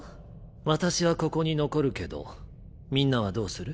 私はここに残るけどみんなはどうする？